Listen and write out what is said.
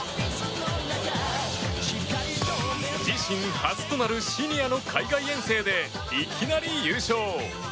自身初となるシニアの海外遠征でいきなり優勝！